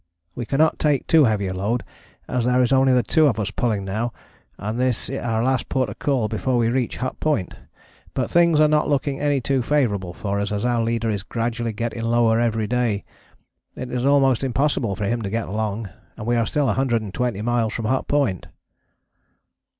We cannot take too heavy a load, as there is only the two of us pulling now, and this our last port of call before we reach Hut Point, but things are not looking any too favourable for us, as our leader is gradually getting lower every day. It is almost impossible for him to get along, and we are still 120 miles from Hut Point.